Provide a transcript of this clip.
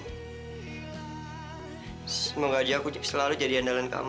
semoga aja aku selalu jadi andalan kamu